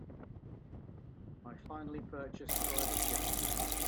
I finally purchased a private jet.